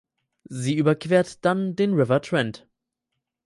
Sie überquert dann den River Trent.